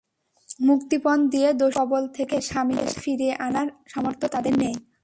মুক্তিপণ দিয়ে দস্যুদের কবল থেকে স্বামীকে ফিরিয়ে আনার সামর্থ্য তাঁদের নেই।